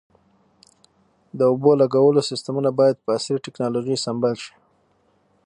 د اوبو لګولو سیستمونه باید په عصري ټکنالوژۍ سنبال شي.